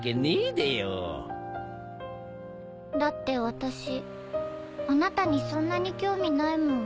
だって私あなたにそんなに興味ないもん